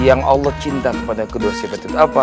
yang allah cinta kepada kedua sifat itu apa